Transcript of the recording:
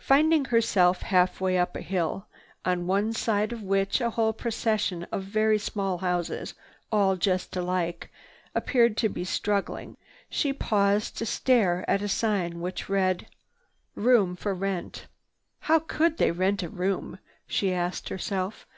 Finding herself half way up a hill, on one side of which a whole procession of very small houses, all just alike, appeared to be struggling, she paused to stare at a sign which read: "Room for rent." "How could they rent a room?" she asked herself.